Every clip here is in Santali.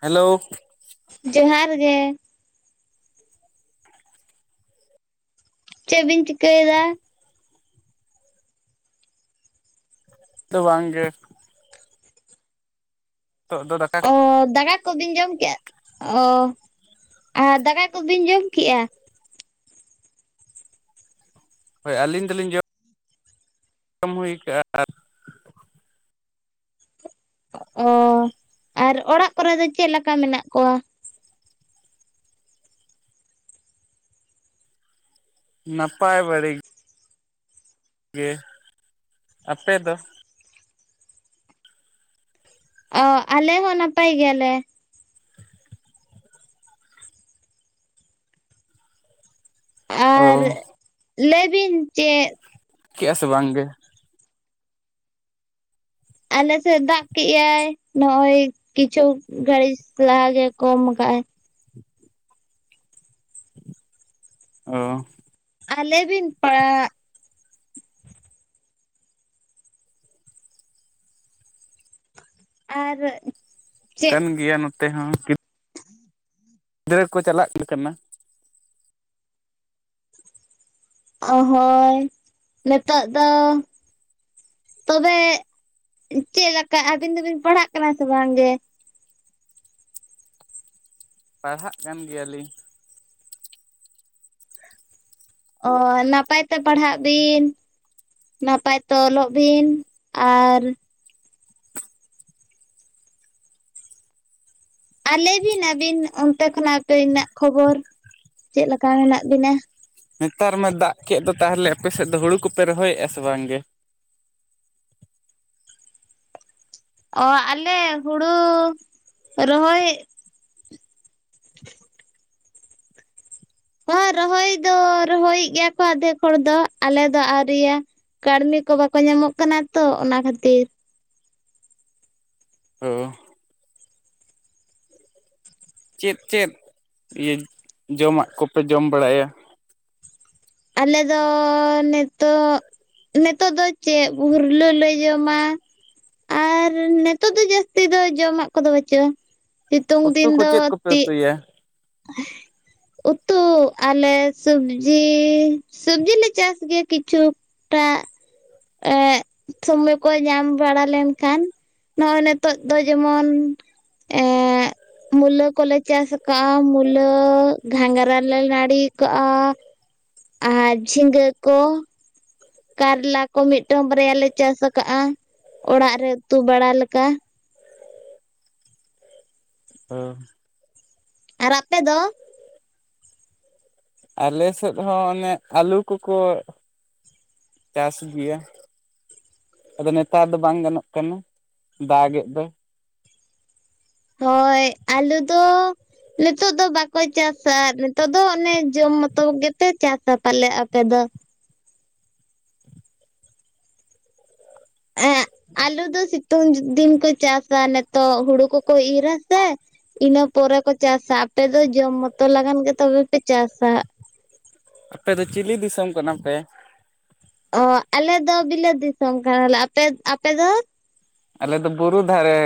ᱦᱮᱞᱳ᱾ ᱡᱚᱸᱦᱟᱨ ᱜᱮ᱾ ᱪᱮᱫ ᱵᱤᱱ ᱪᱤᱠᱟᱹᱭ ᱫᱟ? ᱛᱚ ᱵᱟᱝ ᱜᱮ᱾ ᱱᱤᱛᱚᱜ ᱫᱚ ᱫᱟᱠᱟᱼᱼ ᱚᱻ ᱫᱟᱠᱟ ᱠᱚᱵᱤᱱ ᱡᱚᱢ ᱠᱮᱫᱼᱟ, ᱚ ᱟᱨ ᱫᱟᱠᱟ ᱠᱚᱵᱤᱱ ᱡᱚᱢ ᱠᱮᱫᱼᱟ? ᱦᱳᱭ ᱟᱹᱞᱤᱧ ᱫᱚ ᱞᱤᱧ ᱡᱚᱢ ᱡᱚᱢ ᱦᱩᱭ ᱠᱟᱜᱼᱟ ᱟᱨᱼᱼ ᱚᱸ, ᱟᱨ ᱚᱲᱟᱜ ᱠᱚᱨᱮ ᱫᱚ ᱪᱮᱫ ᱞᱮᱠᱟ ᱢᱮᱱᱟᱜ ᱠᱚᱣᱟ? ᱱᱟᱯᱟᱭ ᱵᱟᱹᱲᱮ ᱜᱼᱼ ᱜᱮ, ᱟᱯᱮ ᱫᱚ? ᱚᱸ ᱟᱞᱮ ᱦᱚᱸ ᱱᱟᱯᱟᱭ ᱜᱮᱭᱟᱞᱮ᱾ ᱟᱨ ᱚ ᱞᱟᱹᱭ ᱵᱤᱱ ᱪᱮᱫᱼᱼ ᱠᱮᱭᱟ ᱥᱮ ᱵᱟᱝ ᱜᱮᱼᱼ ᱟᱞᱮ ᱥᱮᱫ ᱫᱟᱜ ᱠᱮᱜ-ᱟᱭ ᱱᱚᱜ-ᱚᱭᱼᱼ ᱠᱤᱪᱷᱩ ᱜᱷᱟᱹᱲᱤᱡ ᱞᱟᱦᱟ ᱜᱮ ᱠᱚᱢ ᱠᱟᱜ- ᱟᱭᱼᱼ ᱚᱸ᱾ ᱟᱨ ᱞᱟᱹᱭ ᱵᱤᱱ ᱯᱟᱜᱼᱼ ᱟᱨ ᱪᱮᱫ ᱠᱟᱱ ᱜᱮᱭᱟ ᱱᱚᱛᱮ ᱦᱚᱸ ᱠᱮᱯᱼᱼ [inaudible] ᱜᱤᱫᱽᱨᱟᱹ ᱠᱚ ᱪᱟᱞᱟᱜ ᱜᱮ ᱠᱟᱱᱟ᱾ ᱚᱸ ᱦᱳᱭ ᱱᱤᱛᱚᱜ ᱫᱚᱼᱼ ᱛᱚᱵᱮ ᱪᱮᱫ ᱞᱮᱠᱟ ᱟᱹᱵᱤᱱ ᱫᱚᱵᱤᱱ ᱯᱟᱲᱦᱟᱜ ᱠᱟᱱᱟ ᱥᱮ ᱵᱟᱝ ᱜᱮ? ᱯᱟᱲᱦᱟᱜ ᱠᱟᱱ ᱜᱮᱭᱟ ᱞᱤᱧ᱾ ᱚᱸ ᱱᱟᱯᱟᱭ ᱛᱮ ᱯᱟᱲᱦᱟᱜ ᱵᱤᱱ᱾ ᱱᱟᱯᱟᱭ ᱛᱮ ᱚᱞᱚᱜ ᱵᱤᱱ ᱟᱨᱼᱼ ᱟᱨ ᱞᱟᱹᱭ ᱵᱤᱱ ᱟᱹᱵᱤᱱ ᱚᱱᱛᱮ ᱠᱷᱚᱱᱟᱜ ᱛᱮᱱᱟᱹᱜ ᱠᱷᱚᱵᱚᱨ ᱪᱮᱫ ᱞᱮᱠᱟ ᱢᱮᱱᱟᱜ ᱵᱤᱱᱟ? ᱱᱮᱛᱟᱨ ᱢᱟ ᱫᱟᱜ ᱠᱮᱫ ᱫᱚ ᱛᱟᱦᱚᱞᱮ ᱟᱯᱮ ᱥᱮᱫ ᱫᱚ ᱦᱩᱲᱩ ᱠᱚᱯᱮ ᱨᱚᱦᱚᱭ ᱮᱫᱼᱟ ᱥᱮ ᱵᱟᱝ ᱜᱮ? ᱚᱸ ᱟᱞᱮ ᱦᱩᱲᱩ ᱨᱚᱦᱚᱭᱼᱼ ᱚᱸ ᱨᱚᱦᱚᱭ ᱫᱚ ᱨᱚᱦᱚᱭ ᱮᱫ ᱜᱮᱭᱟ ᱠᱚ ᱟᱫᱷᱮᱠ ᱦᱚᱲ ᱫᱚ, ᱟᱞᱮ ᱫᱚ ᱟᱹᱣᱨᱤᱭᱟ᱾ ᱠᱟᱹᱲᱢᱤ ᱠᱚ ᱵᱟᱠᱚ ᱧᱟᱢᱚᱜ ᱠᱟᱱᱟ ᱛᱚ ᱚᱱᱟ ᱠᱷᱟᱹᱛᱤᱨ, ᱚᱸ ᱪᱮᱫ ᱪᱮᱫ ᱤᱭᱟᱹ ᱡᱚᱢᱟᱜ ᱠᱚᱯᱮ ᱡᱚᱢ ᱵᱟᱲᱟᱭᱟ? ᱟᱞᱮ ᱫᱚᱻ ᱱᱤᱛᱚᱜ ᱱᱤᱛᱚᱜ ᱫᱚ ᱪᱮᱫ ᱵᱷᱩᱨᱞᱟᱹ ᱞᱮ ᱡᱚᱢᱟ, ᱟᱨ ᱱᱤᱛᱳᱜ ᱫᱚ ᱡᱟᱹᱥᱛᱤ ᱫᱚ ᱡᱚᱢᱟᱜ ᱠᱚᱫᱚ ᱵᱟᱹᱪᱩᱜᱼᱟ, ᱥᱤᱛᱩᱝ ᱩᱛᱩ ᱫᱤᱱ ᱠᱚ ᱫᱚ ᱪᱮᱫ ᱠᱚᱯᱮ ᱛᱤ ᱩᱛᱩᱭᱟ [unintelligible] ᱩᱛᱩ ᱟᱞᱮ ᱥᱚᱵᱽᱡᱤᱻ ᱥᱚᱵᱽᱡᱤ ᱞᱮ ᱪᱟᱥ ᱜᱮᱭᱟ ᱠᱤᱪᱷᱩ, ᱴᱟᱜ ᱮᱜ ᱥᱚᱢᱚᱭ ᱠᱚ ᱧᱟᱢ ᱵᱟᱲᱟ ᱞᱮᱱᱠᱷᱟᱱ ᱱᱚᱜ-ᱚᱭ ᱱᱤᱛᱚᱜ ᱫᱚ ᱡᱮᱢᱚᱱ ᱮ ᱢᱩᱞᱟᱹ ᱠᱚᱞᱮ ᱪᱟᱥ ᱟᱠᱟᱫ ᱟ ᱢᱩᱞᱟᱹ, ᱜᱷᱟᱜᱨᱟ ᱞᱮ‌ ᱱᱟᱲ ᱠᱟᱜᱼᱟ᱾ ᱟᱨ ᱡᱷᱤᱜᱟᱹ ᱠᱚ᱾ ᱠᱟᱨᱞᱟ ᱠᱚ ᱢᱤᱫᱴᱟᱝ ᱵᱟᱨᱭᱟ ᱞᱮ ᱪᱟᱥ ᱟᱠᱟᱜᱼᱟ, ᱚᱲᱟᱜ ᱨᱮ ᱩᱛᱩ ᱵᱟᱲᱟ ᱞᱮᱠᱟ᱾ ᱚ ᱟᱨ ᱟᱯᱮᱫᱚ? ᱟᱞᱮ ᱥᱮᱫ ᱦᱚᱸ ᱚᱱᱮ ᱟᱹᱞᱩ ᱠᱚᱠᱚ, ᱪᱟᱥ ᱜᱮᱭᱟ᱾ ᱟᱫᱚ ᱱᱮᱛᱟᱨ ᱫᱚ ᱵᱟᱝ ᱜᱟᱱᱚᱜ ᱠᱟᱱᱟ ᱫᱟᱜᱮᱫ ᱫᱚᱭ᱾ ᱦᱚᱭ ᱟᱞᱩ ᱫᱚ ᱱᱤᱛᱚᱜ ᱫᱚ ᱵᱟᱠᱚ ᱪᱟᱥᱟ ᱱᱤᱛᱚᱜ ᱫᱚ ᱚᱱᱮ ᱡᱚᱢ ᱢᱚᱛᱚ ᱜᱮᱯᱮ ᱪᱟᱛᱟ ᱯᱟᱞᱮᱫ ᱟᱯᱮ ᱫᱚ᱾ ᱮᱸ ᱟᱞᱩ ᱫᱚ ᱥᱤᱛᱩᱝ ᱫᱤᱱ ᱠᱚ ᱪᱟᱥᱟ ᱱᱤᱛᱚᱜ ᱦᱳᱲᱳ ᱠᱚᱠᱚ ᱤᱨᱟ ᱥᱮ᱾ ᱤᱱᱟᱹ ᱯᱚᱨᱮ ᱠᱚ ᱪᱟᱥᱟ ᱟᱯᱮ ᱫᱚ ᱡᱚᱢ ᱢᱚᱛᱚ ᱞᱟᱜᱟᱱ ᱜᱮ ᱛᱚᱵᱮ ᱯᱮ ᱪᱟᱥᱟ᱾ ᱟᱯᱮ ᱫᱚ ᱪᱤᱞᱤ ᱫᱤᱥᱚᱢ ᱠᱟᱱᱟ ᱯᱮ? ᱚ ᱟᱞᱮ ᱫᱚ ᱵᱤᱞᱟᱹ ᱫᱤᱥᱚᱢ ᱠᱟᱱᱟᱞᱮ᱾ ᱟ ᱟᱯᱮ ᱫᱚ? ᱟᱞᱮ ᱫᱚ ᱵᱩᱨᱩ ᱫᱷᱟᱨᱮ᱾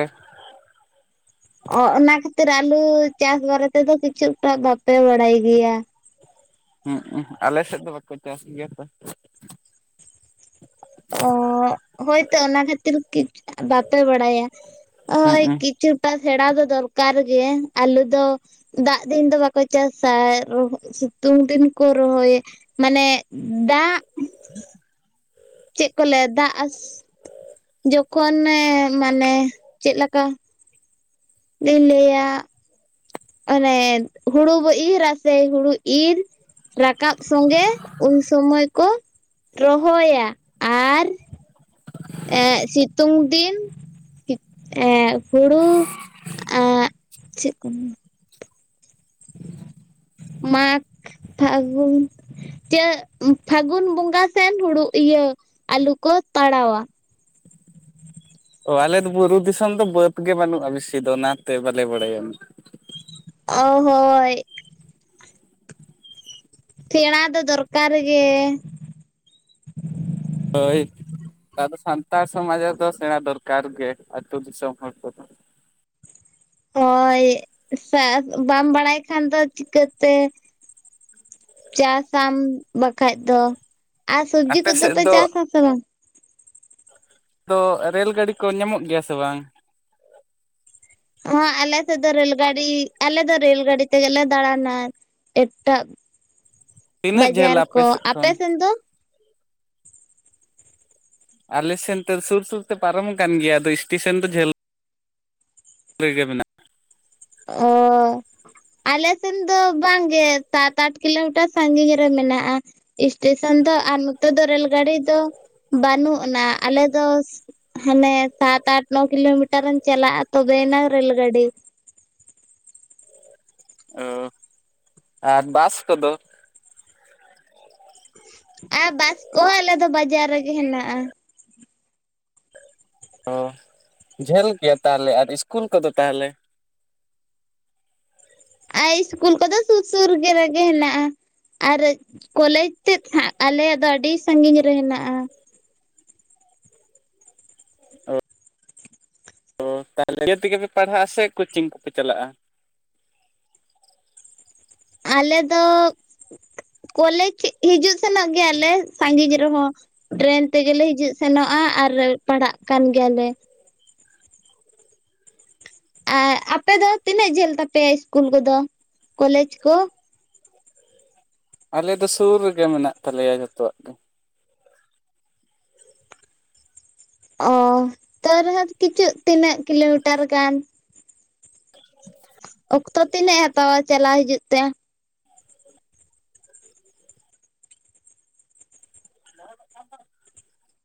ᱚ ᱚᱱᱟ ᱠᱷᱟᱹᱛᱤᱨ ᱟᱞᱩ ᱪᱟᱥ ᱵᱟᱨᱮ ᱛᱮᱫᱚ ᱠᱤᱪᱷᱩᱴᱟ ᱵᱟᱯᱮ ᱵᱟᱲᱟᱭ ᱜᱮᱭᱟ᱾ ᱦᱮᱸ ᱟᱞᱮ ᱥᱮᱫ ᱫᱚ ᱵᱟᱠᱚ ᱪᱟᱥ ᱜᱮᱭᱟ ᱛᱚ᱾ ᱚ ᱦᱳᱭᱛᱚ ᱚᱱᱟ ᱠᱷᱟᱹᱛᱤᱨ ᱵᱟᱯᱮ ᱵᱟᱲᱟᱭᱟ᱾ [inaudible] ᱦᱳᱭ ᱦᱩᱸ ᱠᱤᱪᱷᱩᱴᱟ ᱥᱮᱲᱟ ᱫᱚ ᱫᱚᱨᱠᱟᱨ ᱜᱮ ᱟᱞᱩ ᱫᱚ ᱫᱟᱜ ᱫᱤᱱ ᱫᱚ ᱵᱟᱠᱚ ᱪᱟᱥᱟ ᱥᱤᱛᱩᱝ ᱫᱤᱱ ᱠᱚ ᱨᱚᱦᱚᱭ᱾ ᱢᱟᱱᱮ ᱫᱟᱜ ᱪᱮᱫ ᱠᱚ ᱞᱮᱭᱟ ᱫᱟᱜ, ᱡᱚᱠᱷᱚᱱᱮ ᱢᱟᱱᱮ ᱪᱮᱫ ᱞᱮᱠᱟ ᱞᱮᱞᱭᱟ ᱚᱱᱮ ᱦᱩᱲᱩ ᱵᱚ ᱤᱨ ᱟᱥᱮ ᱦᱩᱲᱩ ᱤᱨ᱾ ᱨᱟᱠᱟᱵ ᱥᱚᱸᱜᱮ ᱩᱱᱥᱚᱢᱚᱭ ᱠᱚ ᱨᱚᱦᱚᱭᱟ᱾ ᱟᱨ ᱮᱜ ᱥᱤᱛᱩᱝ ᱫᱤᱱ ᱮᱜ ᱦᱩᱲᱩ ᱟᱨ ᱪᱮᱫ ᱠᱚ ᱢᱟᱜᱽ, ᱯᱷᱟᱹᱜᱩᱱ ᱪᱟᱹ ᱯᱷᱟᱹᱜᱩᱱ ᱵᱚᱸᱜᱟ ᱥᱮᱱ ᱦᱩᱲᱩ ᱤᱭᱟᱹ ᱟᱞᱩ ᱠᱚ ᱛᱟᱲᱟᱣᱟ᱾ ᱚ ᱟᱞᱮ ᱫᱚ ᱵᱩᱨᱩ ᱫᱤᱥᱚᱢ ᱫᱚ ᱵᱟᱹᱫᱽ ᱜᱮ ᱵᱟᱹᱱᱩᱜᱼᱟ ᱵᱮᱥᱤ ᱫᱚ ᱚᱱᱟᱛᱮ ᱵᱟᱞᱮ ᱵᱟᱲᱟᱭᱟ᱾ ᱚ ᱦᱳᱭ ᱛᱷᱮᱲᱟ ᱫᱚ ᱫᱚᱨᱠᱟᱨ ᱜᱮ᱾ ᱦᱳᱭ ᱟᱵᱚ ᱥᱟᱱᱛᱟᱲ ᱥᱚᱢᱟᱡᱽ ᱨᱮ ᱫᱚ ᱥᱮᱬᱟ ᱫᱚᱨᱠᱟᱨ ᱜᱮ, ᱟᱹᱛᱩ ᱫᱤᱥᱚᱢ ᱦᱚᱲ ᱠᱚᱫᱚ᱾ ᱦᱳᱭ ᱵᱟᱢ ᱵᱟᱲᱟᱭ ᱠᱷᱟᱱ ᱫᱚ ᱪᱤᱠᱟᱹᱛᱮ ᱪᱟᱥᱟᱢ ᱵᱟᱠᱷᱟᱡ ᱫᱚ, ᱟᱨ ᱥᱚᱵᱽᱡᱤ ᱟᱯᱮ ᱥᱮᱫ ᱠᱚᱫᱚᱯᱮ ᱫᱚ ᱪᱟᱥᱟᱥᱮ ᱵᱟᱝ? ᱛᱚ ᱨᱮᱹᱞ ᱜᱟᱹᱰᱤ ᱠᱚ ᱧᱟᱢᱚᱜ ᱜᱮᱭᱟ ᱥᱮ ᱵᱟᱝ? ᱦᱚᱸ ᱟᱞᱮ ᱥᱮᱫ ᱫᱚ ᱨᱮᱹᱞ ᱜᱟᱰᱤ, ᱟᱞᱮ ᱫᱚ ᱨᱮᱹᱞ ᱜᱟᱹᱰᱤ ᱛᱮᱜᱮᱞᱮ ᱫᱟᱬᱟᱱᱟ᱾ ᱮᱴᱟᱜ ᱛᱤᱱᱟᱹᱜ ᱵᱟᱡᱟᱨ ᱡᱷᱟᱹᱞᱟ ᱟᱯᱮ ᱠᱚ, ᱥᱮᱫ ᱠᱷᱚᱱ ᱟᱯᱮᱥᱮᱱ ᱫᱚ? ᱟᱞᱮ ᱥᱮᱱ ᱛᱮ ᱥᱩᱨ ᱥᱩᱨ ᱛᱮ ᱯᱟᱨᱚᱢ ᱟᱠᱟᱱ ᱜᱮᱭᱟ ᱟᱫᱚ ᱥᱴᱮᱥᱮᱱ ᱫᱚ ᱡᱷᱟᱹᱞ ᱞᱟᱹᱭ ᱜᱮ ᱢᱮᱱᱟᱜ [unintelligible] ᱟᱞᱮ ᱥᱮᱱ ᱫᱚ ᱵᱟᱝᱜᱮ ᱥᱟᱛ ᱟᱴ ᱠᱤᱞᱳᱢᱤᱴᱟᱨ ᱥᱟᱺᱜᱤᱧ ᱨᱮ ᱢᱮᱱᱟᱜ-ᱟ᱾ ᱥᱴᱮᱥᱚᱱ ᱫᱚ ᱟᱨ ᱱᱚᱛᱮ ᱫᱚ ᱨᱮᱞ ᱜᱟᱲᱤ ᱫᱚ ᱵᱟᱹᱱᱩᱜ ᱟᱱᱟ ᱟᱞᱮ ᱫᱚ ᱦᱟᱱᱮ ᱥᱟᱛ ᱟᱴ ᱱᱚ ᱠᱤᱞᱳᱢᱤᱴᱟᱨ ᱮᱢ ᱪᱟᱞᱟᱜ-ᱟ ᱛᱚᱵᱮᱭᱟᱱᱟ ᱨᱮᱞ ᱜᱟᱹᱰᱤ᱾ ᱚ, ᱟᱨ ᱵᱟᱥ ᱠᱚᱫᱚ? ᱟᱨ ᱵᱟᱥ ᱠᱚᱦᱚ ᱟᱞᱮ ᱫᱚ ᱵᱟᱡᱟᱨ ᱨᱮᱜᱮ ᱦᱮᱱᱟᱜ-ᱟ᱾ ᱚ ᱡᱷᱟᱹᱞ ᱜᱮᱭᱟ ᱛᱟᱦᱞᱮ ᱟᱨ ᱤᱥᱠᱩᱞ ᱠᱚᱫᱚ ᱛᱟᱦᱞᱮ? ᱟᱭ ᱤᱥᱠᱩᱞ ᱠᱚᱫᱚ ᱥᱩᱨ ᱥᱩᱨ ᱜᱮ ᱨᱮᱜᱮ ᱦᱮᱱᱟᱜ-ᱟ᱾ ᱟᱨ ᱠᱚᱞᱮᱡᱽ ᱛᱮᱫ ᱦᱟᱸᱜ ᱟᱞᱮᱭᱟᱜ ᱫᱚ ᱟᱹᱰᱤ ᱥᱟᱸᱜᱤᱧ ᱨᱮ ᱦᱮᱱᱟᱜ-ᱟ ᱾ ᱚ [unintelligible] ᱛᱮᱜᱟ ᱯᱮ ᱯᱟᱲᱦᱟᱜ-ᱟ ᱥᱮ ᱠᱳᱪᱤᱝ ᱠᱚᱯᱮ ᱪᱟᱞᱟᱜ-ᱟ? ᱟᱞᱮ ᱫᱚ ᱠᱚᱞᱮᱡᱽ ᱦᱤᱡᱩᱜ ᱥᱮᱱᱚᱜ ᱜᱮᱭᱟᱞᱮ ᱥᱟᱺᱜᱤᱧ ᱨᱮᱦᱚᱸ᱾ ᱴᱨᱮᱹᱱ ᱛᱮᱜᱮᱞᱮ ᱦᱤᱡᱩᱜ ᱥᱮᱱᱚᱜ-ᱟ ᱟᱨ ᱯᱟᱲᱟᱜ ᱠᱟᱱ ᱜᱮᱭᱟᱞᱮ᱾ ᱟ ᱟᱯᱮ ᱫᱚ ᱛᱤᱱᱟᱹᱜ ᱡᱷᱟᱹᱞ ᱛᱟᱯᱮᱭᱟ ᱤᱥᱠᱩᱞ ᱠᱚᱫᱚ ᱠᱚᱞᱮᱡᱽ ᱠᱚ? ᱟᱞᱮ ᱫᱚ ᱥᱩᱨ ᱨᱮᱜᱮ ᱢᱮᱱᱟᱜ ᱛᱟᱞᱮᱭᱟ ᱡᱚᱛᱚᱣᱟᱜ ᱜᱮ ᱾ ᱚ ᱛᱚᱹᱣ ᱨᱮᱦᱚᱸ ᱠᱤᱪᱩᱜ ᱛᱤᱱᱟᱹᱜ ᱠᱤᱞᱳᱢᱤᱴᱟᱨ ᱜᱟᱱ? [inaudible] ᱚᱠᱛᱚ ᱛᱤᱱᱟᱹᱜ ᱮ ᱦᱟᱛᱟᱣᱟ ᱪᱟᱞᱟᱣ ᱦᱤᱡᱩᱜ ᱛᱮ? [inaudible] [unintelligible]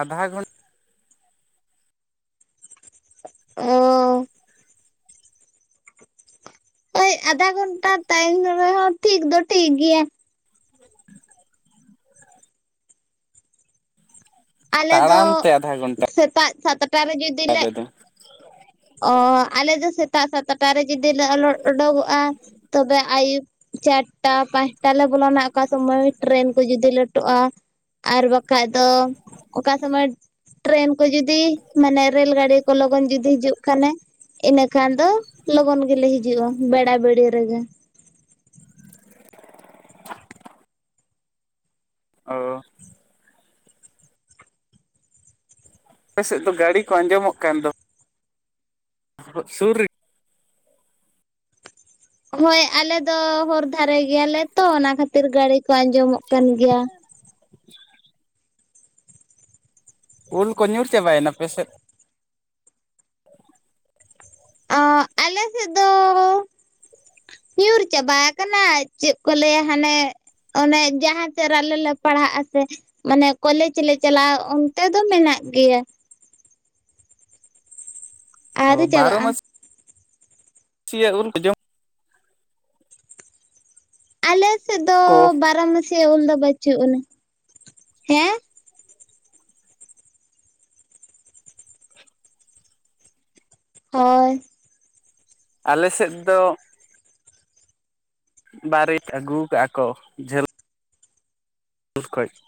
ᱟᱫᱷᱟ ᱜᱷᱚᱱ ᱚᱻ ᱳᱭ ᱟᱫᱷᱟ ᱜᱷᱚᱱᱴᱟ ᱛᱟᱭᱚᱢ ᱨᱮᱦᱚᱸ ᱴᱷᱤᱠ ᱫᱚ ᱴᱷᱤᱠ ᱜᱮᱭᱟ ᱾ ᱟᱞᱮ ᱫᱚ ᱛᱟᱲᱟᱢ ᱛᱮ ᱟᱫᱷᱟ ᱜᱷᱚᱱᱴᱟ ᱥᱮᱛᱟᱜ ᱥᱟᱛᱴᱟ ᱨᱮ ᱡᱩᱫᱤ ᱞᱮ ᱟᱞᱮ ᱫᱚ ᱚᱻ ᱟᱞᱮ ᱫᱚ ᱥᱮᱛᱟᱜ ᱥᱟᱛᱴᱟ ᱨᱮ ᱡᱩᱫᱤ ᱞᱮ ᱟᱞᱚ ᱩᱰᱳᱜᱚᱜ-ᱟ ᱛᱚᱵᱮ ᱟᱭᱩᱵ ᱪᱟᱴᱴᱟ ᱯᱟᱸᱪᱴᱟ ᱞᱮ ᱵᱚᱞᱚᱱᱟ ᱚᱠᱟ ᱥᱚᱢᱚᱭ ᱴᱨᱮᱱ ᱠᱚ ᱡᱩᱫᱤ ᱞᱮᱹᱟᱴᱚᱜ-ᱟ, ᱟᱨ ᱵᱟᱠ ᱠᱷᱟᱡ ᱫᱚ ᱚᱠᱟ ᱥᱚᱢᱚᱭ ᱴᱨᱮᱹᱱ ᱠᱚ ᱡᱩᱫᱤ ᱢᱟᱱᱮ ᱨᱮᱹᱞ ᱜᱲᱤ ᱠᱚ ᱞᱚᱜᱚᱱ ᱡᱩᱫᱤ ᱦᱤᱡᱩᱜ ᱠᱷᱟᱱᱮ ᱾ ᱤᱱᱟᱹ ᱠᱷᱟᱱ ᱫᱚ ᱞᱚᱜᱚᱱ ᱜᱮᱞᱮ ᱦᱤᱡᱩᱜ-ᱟ ᱵᱮᱲᱟ ᱵᱤᱲᱤ ᱨᱮᱜᱮ ᱾ ᱚ ᱟᱯᱮᱥᱮᱫ ᱫᱚ ᱜᱟᱲᱤ ᱠᱚ ᱟᱸᱡᱚᱢᱚᱜ ᱠᱟᱱ ᱫᱚ᱾ [unintelligible] ᱥᱩᱨ ᱨᱤ ᱦᱳᱭ ᱟᱞᱮ ᱫᱚ ᱦᱚᱨ ᱫᱷᱟᱨᱮ ᱜᱮᱭᱟᱞᱮ ᱛᱚ ᱚᱱᱟ ᱠᱷᱟᱹᱛᱤᱨ ᱜᱟᱲᱤ ᱠᱚ ᱟᱸᱡᱚᱢᱚᱜ ᱠᱟᱱ ᱜᱮᱭᱟ ᱾ ᱩᱞ ᱠᱚ ᱧᱩᱨ ᱪᱟᱵᱟᱭᱮᱱᱟ ᱯᱮ ᱥᱮᱫ? ᱚᱸ ᱟᱞᱮᱥᱮᱫ ᱫᱚᱻ ᱧᱩᱨ ᱪᱟᱵᱟ ᱟᱠᱟᱱᱟ ᱪᱮᱫ ᱠᱚ ᱞᱟᱹᱭᱟ ᱦᱟᱱᱮ ᱚᱱᱮ ᱡᱟᱦᱟᱸ ᱥᱮᱫ ᱨᱮ ᱟᱞᱮ ᱞᱮ ᱯᱟᱲᱦᱟᱜ-ᱟ ᱥᱮ ᱢᱟᱱᱮ ᱠᱚᱞᱮᱡᱽ ᱞᱮ ᱪᱟᱞᱟᱜ-ᱟ ᱚᱱᱛᱮ ᱫᱚ ᱢᱮᱱᱟᱜ ᱜᱮᱭᱟ ᱾ ᱟᱣᱨᱤ ᱚ ᱵᱟᱨᱚ ᱪᱟᱵᱟᱜ-ᱟ ᱾ [inaudible] ᱩᱞ ᱠᱚ ᱡᱚᱢ ᱟᱞᱮ ᱥᱮᱫ ᱫᱚ ᱠᱚ ᱵᱟᱨᱢᱟᱥᱤᱭᱟ ᱩᱞ ᱫᱚ ᱵᱟᱹᱪᱩᱜ ᱟᱱᱟ, ᱦᱮᱸ ᱦᱳᱭ᱾ ᱟᱞᱮ ᱥᱮᱫ ᱫᱚ ᱵᱟᱨᱮᱛ ᱟᱹᱜᱩ ᱠᱟᱜᱼᱟ ᱠᱚ ᱡᱷᱟᱹᱞ [inaudible]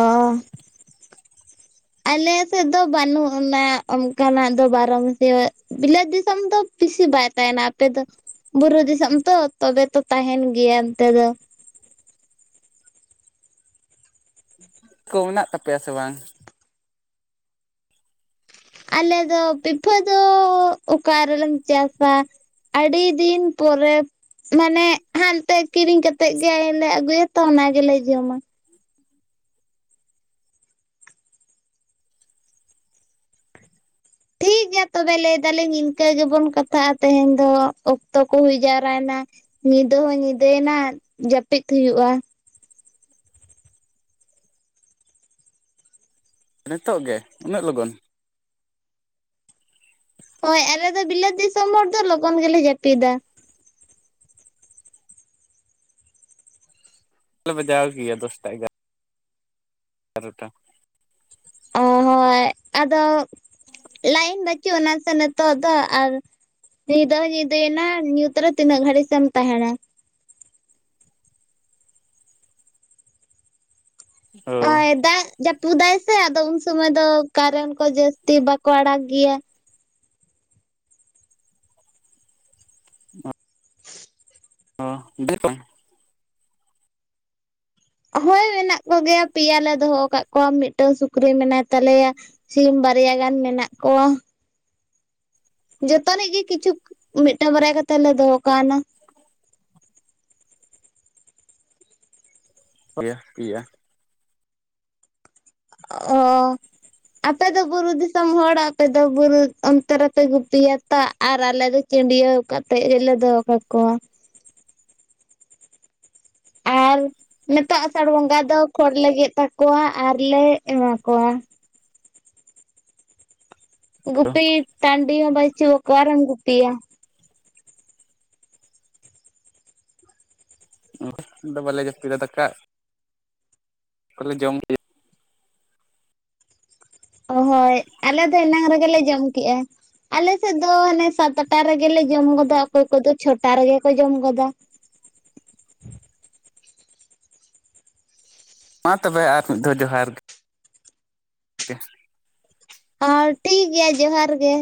ᱚ ᱾ ᱟᱞᱮ ᱥᱮᱫ ᱫᱚ ᱵᱟᱹᱱᱩᱜ ᱟᱱᱟ ᱚᱱᱠᱟᱱᱟᱜ ᱫᱚ ᱵᱟᱨᱚᱢᱟᱹᱥᱤᱭᱟᱹ ᱵᱤᱞᱟᱹᱛ ᱫᱤᱥᱚᱢ ᱫᱚ ᱵᱮᱥᱤ ᱵᱟᱭ ᱛᱟᱦᱮᱱᱟ ᱟᱯᱮ ᱫᱚ ᱵᱩᱨᱩ ᱫᱤᱥᱚᱢ ᱛᱚ ᱛᱚᱵᱮ ᱛᱚ ᱛᱟᱦᱮᱱ ᱜᱮᱭᱟ ᱚᱱᱛᱮ ᱫᱚ᱾ ᱠᱚ ᱢᱮᱱᱟᱜ ᱛᱟᱯᱮᱭᱟ ᱥᱮ ᱵᱟᱝ? ᱟᱞᱮ ᱫᱚ ᱯᱤᱯᱷᱟ ᱫᱚ ᱚᱠᱟᱨᱮᱞᱮᱢ ᱪᱟᱥᱟ? ᱟᱹᱰᱤ ᱫᱤᱱ ᱯᱚᱨᱮ ᱢᱟᱱᱮ ᱦᱟᱱᱛᱮ ᱠᱤᱨᱤᱧ ᱠᱟᱛᱮᱜ ᱜᱮᱞᱮ ᱟᱹᱜᱩᱭᱟ ᱛᱚ ᱚᱱᱟ ᱜᱮᱞᱮ ᱡᱚᱢᱟ᱾ ᱴᱷᱤᱠ ᱜᱮᱭᱟ ᱛᱚᱵᱮ ᱞᱟᱹᱭ ᱫᱟᱞᱤᱧ ᱤᱱᱠᱟᱹ ᱜᱮᱵᱚᱱ ᱠᱟᱛᱷᱟᱜᱼᱟ ᱛᱮᱦᱮᱧ ᱫᱚ ᱚᱠᱛᱚ ᱠᱚ ᱦᱩᱭ ᱡᱟᱣᱨᱟᱭᱱᱟ ᱾ ᱧᱤᱫᱟᱹ ᱦᱚᱸ ᱧᱤᱫᱟᱹᱭᱮᱱᱟ ᱡᱟᱹᱯᱤᱫ ᱦᱩᱭᱩᱜᱼᱟ᱾ ᱱᱤᱛᱚᱜ ᱜᱮ ᱩᱱᱟᱹᱜ ᱞᱚᱜᱚᱱ? ᱦᱳᱭ ᱟᱞᱮ ᱫᱚ ᱵᱤᱞᱟᱹᱛ ᱫᱤᱥᱚᱢ ᱦᱚᱲ ᱫᱚ ᱞᱚᱜᱚᱱ ᱜᱮᱞᱮ ᱡᱟᱹᱯᱤᱫᱟ᱾ ᱵᱟᱡᱟᱣ ᱜᱮᱭᱟ ᱫᱚᱥᱴᱟ ᱮᱜᱟᱨᱚ ᱮᱜᱟᱨᱚᱴᱟ ᱾ ᱚ ᱦᱳᱭ ᱟᱫᱚ ᱞᱟᱭᱤᱱ ᱵᱟᱪᱩᱜ ᱟᱱᱟ ᱥᱮ ᱱᱤᱛᱚᱜ ᱫᱚ ᱟᱨ ᱧᱤᱫᱟᱹ ᱦᱚᱸ ᱧᱤᱫᱟᱹᱭᱮᱱᱟ ᱧᱩᱛ ᱨᱮ ᱛᱤᱱᱟᱹᱜ ᱜᱷᱟᱹᱲᱤᱡ ᱮᱢ ᱛᱟᱦᱮᱱᱟ᱾ ᱚ ᱦᱳᱭ ᱫᱟᱜ ᱡᱟᱹᱯᱩᱫᱟᱭ ᱥᱮ ᱟᱫᱚ ᱩᱱ ᱥᱚᱢᱚᱭ ᱫᱚ ᱠᱟᱨᱮᱱ ᱠᱚ ᱡᱟᱹᱥᱛᱤ ᱵᱟᱠᱚ ᱟᱲᱟᱜ ᱜᱮᱭᱟ ᱾ [unintelligible] [unintelligible] ᱦᱳᱭ ᱢᱮᱱᱟᱜ ᱠᱚᱜᱮᱭᱟ ᱯᱮᱭᱟ ᱞᱮ ᱫᱚᱦᱚ ᱟᱠᱟᱫ ᱠᱚᱣᱟ ᱢᱤᱫᱴᱟᱝ ᱥᱩᱠᱨᱤ ᱢᱮᱱᱟᱭ ᱛᱟᱞᱮᱭᱟ᱾ ᱥᱤᱢ ᱵᱟᱨᱭᱟ ᱜᱟᱱ ᱢᱮᱱᱟᱜ ᱠᱚᱣᱟ᱾ ᱡᱚᱛᱚᱱᱤᱡ ᱜᱮ ᱠᱤᱪᱷᱩ ᱢᱤᱫᱴᱟᱝ ᱵᱟᱨᱭᱟ ᱠᱟᱛᱮᱜ ᱞᱮ ᱫᱚᱦᱚ ᱠᱟᱣᱱᱟ ᱾ [unintelligible] [inaudible] ᱟᱯᱮ ᱫᱚ ᱵᱩᱨᱩ ᱫᱤᱥᱚᱢ ᱦᱚᱲ ᱟᱯᱮ ᱫᱚ ᱵᱩᱨᱩ ᱚᱱᱛᱮ ᱨᱮᱯᱮ ᱜᱩᱯᱤᱭᱟ ᱛᱚ ᱾ ᱟᱨ ᱟᱞᱮ ᱫᱚ ᱪᱟᱹᱰᱭᱟᱹᱣ ᱠᱟᱛᱮᱫ ᱜᱮᱞᱮ ᱫᱚᱦᱚ ᱠᱟᱠᱚᱣᱟ ᱾ ᱟᱨ ᱱᱤᱛᱚᱜ ᱟᱥᱟᱲ ᱵᱚᱸᱜᱟ ᱫᱚ ᱠᱷᱚᱲ ᱞᱮ ᱜᱮᱫ ᱠᱟᱠᱚᱣᱟ ᱟᱨᱞᱮ ᱮᱢᱟᱠᱚᱣᱟ ᱾ ᱜᱩᱯᱤ ᱴᱟᱺᱰᱤ ᱦᱚᱸ ᱵᱟᱪᱩᱜ ᱚᱠᱟᱨᱮᱢ ᱜᱩᱯᱤᱭᱟ? ᱵᱟᱞᱮ ᱡᱟᱹᱯᱤᱫᱟ ᱫᱟᱠᱟ [unintelligible] ᱠᱚᱞᱮ ᱡᱚᱢ ᱜᱮᱭᱟ ᱾ ᱦᱳᱭ ᱟᱞᱮ ᱫᱚ ᱮᱱᱟᱝ ᱨᱮᱜᱮ ᱞᱮ ᱡᱚᱢ ᱠᱮᱜᱼᱟ ᱾ ᱟᱞᱮ ᱥᱮᱫ ᱫᱚ ᱦᱟᱱᱮ ᱥᱟᱛᱴᱟ ᱨᱮᱜᱮᱞᱮ ᱡᱚᱢ ᱜᱚᱫᱟ ᱚᱠᱚᱭ ᱠᱚᱫᱚ ᱪᱷᱚᱴᱟ ᱨᱮᱜᱮ ᱠᱚ ᱡᱚᱢ ᱜᱚᱫᱟ᱾ ᱢᱟ ᱛᱚᱵᱮ ᱟᱨ ᱢᱤᱫ ᱫᱷᱟᱣ ᱡᱚᱦᱟᱨ ᱜᱮ ᱾ [inaudible] ᱚ ᱴᱷᱤᱠ ᱜᱮᱭᱟ ᱡᱚᱦᱟᱨ ᱜᱮ᱾